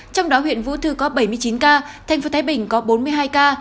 trong đó huyện vũ thư có bảy mươi chín ca thành phố thái bình có bốn mươi hai ca